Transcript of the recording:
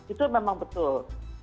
itu memang betul